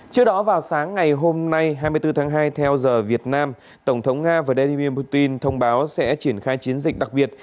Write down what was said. trước đó vào sáng ngày hôm nay hai mươi bốn tháng hai theo giờ việt nam tổng thống nga vladimir putin thông báo sẽ triển khai chiến dịch đặc biệt